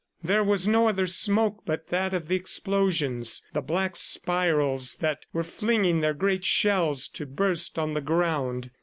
There was no other smoke but that of the explosions, the black spirals that were flinging their great shells to burst on the ground.